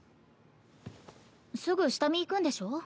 すぐ下見行くんでしょ？